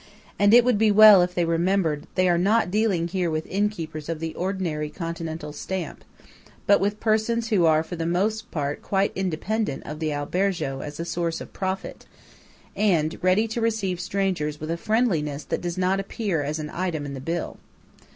And it would be well if they remembered they are not dealing here with innkeepers of the ordinary continental stamp; but with persons who are for the most part quite independent of the albergo as a source of profit, and ready to receive strangers with a friendliness that does not appear as an item in the bill.